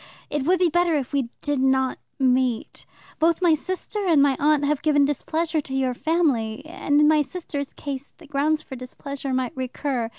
It would be better if we did not meet. Both my sister and my aunt have given displeasure to your family, and, in my sister's case, the grounds for displeasure might recur.